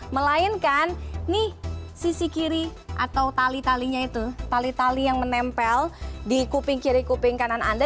melainkan nih sisi kiri atau tali talinya itu tali tali yang menempel di kuping kiri kuping kanan anda